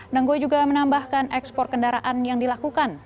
nangoi juga menambahkan ekspor kendaraan yang dilakukan